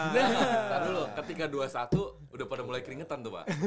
tunggu dulu ketika dua satu sudah mulai keringetan